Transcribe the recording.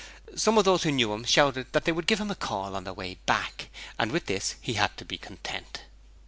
Some of those who knew him shouted out that they would give him a call on their way back, and with this he had to be content.